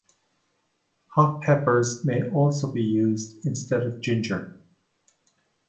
Hot peppers may also be used instead of ginger.